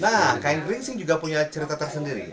nah kain geringsing juga punya cerita tersendiri